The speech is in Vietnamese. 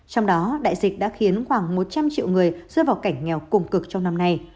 trong đó đại dịch đã khiến khoảng một trăm linh triệu người rơi vào cảnh nghèo cùng cực trong năm nay